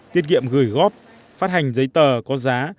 tiết kiệm gửi góp phát hành giấy tờ có giá